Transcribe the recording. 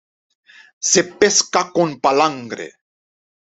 Se pesca con palangre.